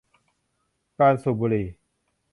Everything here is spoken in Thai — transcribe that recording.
การสูบบุหรี่